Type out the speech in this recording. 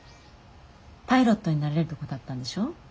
パイロットになれるとこだったんでしょ？